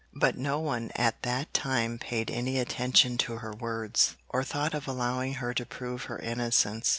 But no one at that time paid any attention to her words, or thought of allowing her to prove her innocence.